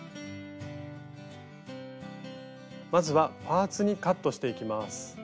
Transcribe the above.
まずはパーツにカットしていきます。